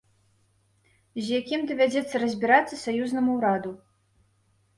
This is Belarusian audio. З якім давядзецца разбірацца саюзнаму ўраду.